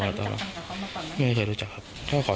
แต่ไม่ได้ว่าเอาหน้าเขาไปทิ้มกับท่อนะครับ